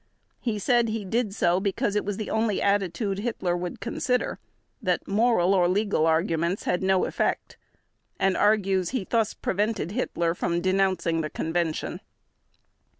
He said he did so because it was the only attitude Hitler would consider, that moral or legal arguments had no effect and argues he thus prevented Hitler from denouncing the Convention.